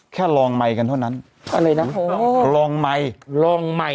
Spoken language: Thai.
แค่ลองไม่กันเท่านั้นอะไรนะโอ้โหลองไม่ลองไม่